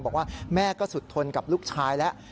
บอกว่าแม่ก็สุดทนกับลูกชายแล้ว